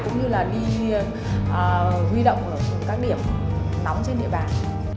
cũng như là đi huy động ở các điểm nóng trên địa bàn